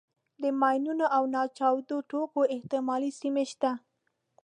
د ماینونو او ناچاودو توکو احتمالي سیمې شته.